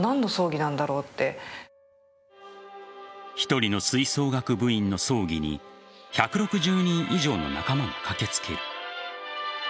１人の吹奏楽部員の葬儀に１６０人以上の仲間が駆けつける。